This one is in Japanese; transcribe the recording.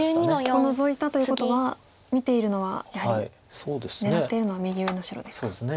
ここノゾいたということは見ているのはやはり狙っているのは右上の白ですか。